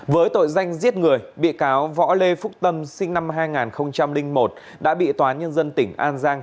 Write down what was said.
với tội danh giết người bị cáo võ lê phúc tâm sinh năm hai nghìn một đã bị tòa nhân dân tỉnh an giang